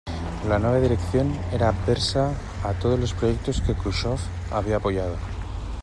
La nueva dirección era adversa a todos los proyectos que Jrushchov había apoyado.